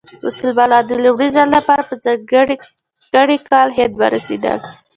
مسلمانان د لومړي ځل لپاره په ځانګړي کال هند ورسېدل.